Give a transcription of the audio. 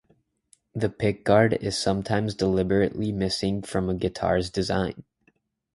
The pickguard is sometimes deliberately missing from a guitar's design.